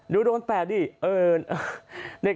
ดูโดนแปลกนี่เออ